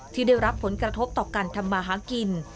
ที่ได้รับผลกระทบต่อการทำมาหากิน